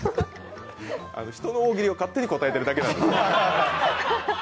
人の大喜利を勝手に答えてるだけなんで。